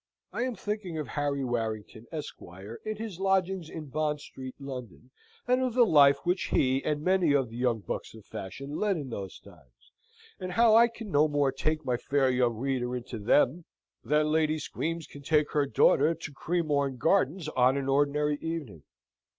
I am thinking of Harry Warrington, Esquire, in his lodgings in Bond Street, London, and of the life which he and many of the young bucks of fashion led in those times, and how I can no more take my faire young reader into them, than Lady Squeams can take her daughter to Cremorne Gardens on an ordinary evening.